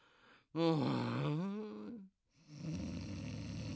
うん。